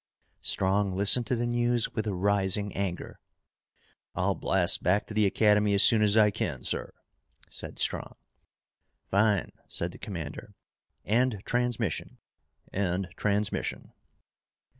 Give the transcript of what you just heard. Strong listened to the news with rising anger. "I'll blast back to the Academy as soon as I can, sir," said Strong. "Fine!" said the commander. "End transmission!" "End transmission!"